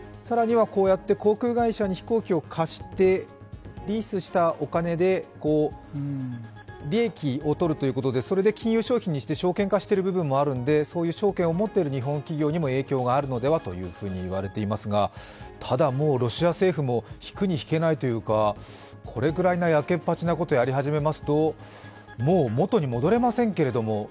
更にはこうやって航空会社に飛行機を貸してリースしたお金で利益を取るということで、それで金融商品にして証券化している部分もあるので証券を持っている日本企業にも影響があるんじゃないかと言われていますが、ただ、もうロシア政府も引くに引けないというかこれぐらいな、やけっぱちなことをやり始めますと、もう元に戻れませんけれども。